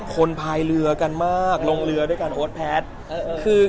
พายเรือกันมากลงเรือด้วยกันโอ๊ตแพทย์